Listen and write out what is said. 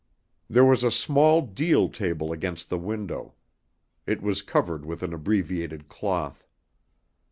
There was a small deal table against the window. It was covered with an abbreviated cloth.